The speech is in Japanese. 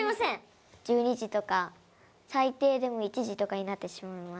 １２時とか最低でも１時とかになってしまいます。